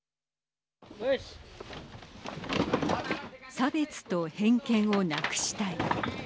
差別と偏見をなくしたい。